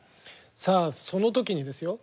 さあそのときにですよ。